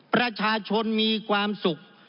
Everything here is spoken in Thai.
ประชาชนมีความสุข